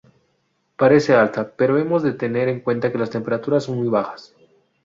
Parece alta, pero hemos de tener en cuenta que las temperaturas son muy bajas.